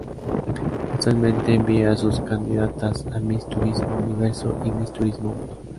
Actualmente envía a sus candidatas a Miss Turismo Universo y Miss Turismo Mundo.